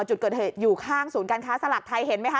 จุดเกิดเหตุอยู่ข้างศูนย์การค้าสลักไทยเห็นไหมคะ